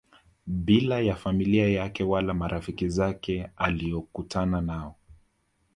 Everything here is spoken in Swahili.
bila ya familia yake wala marafiki zake aliokutana nao